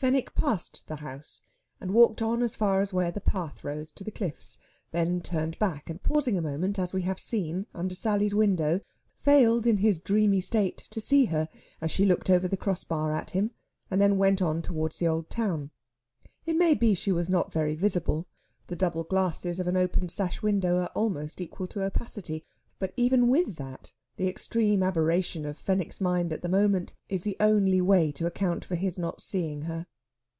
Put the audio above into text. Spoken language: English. Fenwick passed the house, and walked on as far as where the path rose to the cliffs; then turned back, and, pausing a moment, as we have seen, under Sally's window, failed in his dreamy state to see her as she looked over the cross bar at him, and then went on towards the old town. It may be she was not very visible; the double glasses of an open sash window are almost equal to opacity. But even with that, the extreme aberration of Fenwick's mind at the moment is the only way to account for his not seeing her.